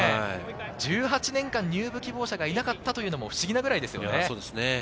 １８年間、入部希望者がいなかったというのも不思議なぐらいですね。